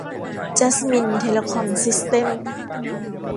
จัสมิน เทเลคอม ซิสเต็มส์